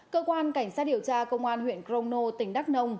cơ quan cảnh sát điều tra công an huyện crono tỉnh đắk nông